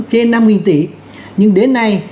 trên năm tỷ nhưng đến nay